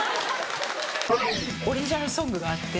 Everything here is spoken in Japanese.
オリジナルソングがあって。